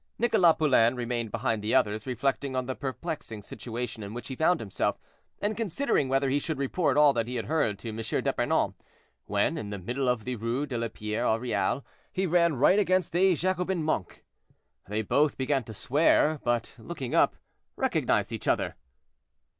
Nicholas Poulain remained behind the others, reflecting on the perplexing situation in which he found himself, and considering whether he should report all that he had heard to M. d'Epernon, when, in the middle of the Rue de la Pierre au Réal, he ran right against a Jacobin monk. They both began to swear, but, looking up, recognized each other.